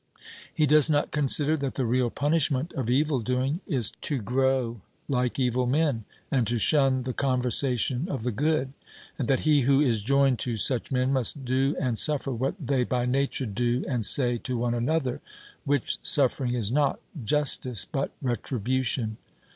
He does not consider that the real punishment of evil doing is to grow like evil men, and to shun the conversation of the good: and that he who is joined to such men must do and suffer what they by nature do and say to one another, which suffering is not justice but retribution.